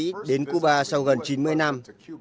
tổng thống mỹ đến cuba sau gần chín mươi năm